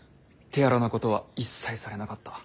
手荒なことは一切されなかった。